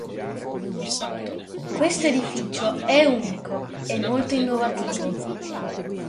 Questo edificio è unico e molto innovativo.